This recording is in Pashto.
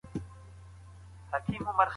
سافټویر انجنیري د محصلینو شخصي وده زیاتوي.